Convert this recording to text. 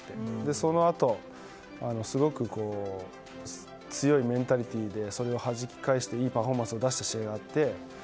そのあとすごく強いメンタリティーでそれを弾き返していいパフォーマンスを出した試合があって。